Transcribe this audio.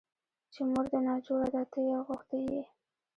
چې مور دې ناجوړه ده ته يې غوښتى يې.